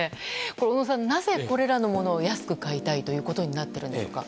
小野さん、なぜこれらのものを安く買いたいとなっているのでしょうか。